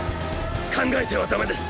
考えてはダメです！